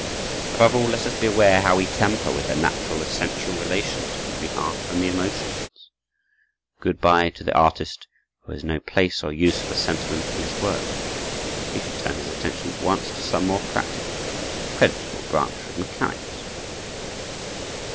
Above all, let us beware how we tamper with the natural, essential relations between art and the emotions. Good by to the artist who has no place or use for sentiment in his work; he should turn his attention at once to some more practical and creditable branch of mechanics.